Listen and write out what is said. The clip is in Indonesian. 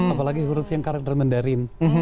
apalagi huruf yang karakter mendarin